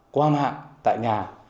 qua mạng tại nhà